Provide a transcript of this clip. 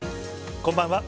こんばんは。